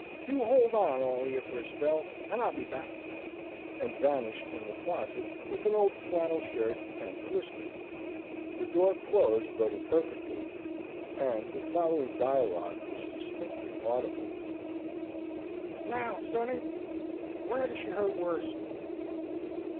You hold on all o' you for a spell, and I'll be back"; and vanished in the closet with an old flannel shirt and the whiskey. The door closed but imperfectly, and the following dialogue was distinctly audible: "Now, Sonny, whar does she ache worst?"